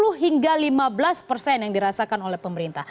sepuluh hingga lima belas persen